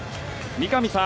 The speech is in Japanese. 三上さん